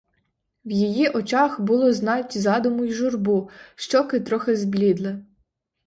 В її очах було знать задуму й журбу, щоки трохи зблідли.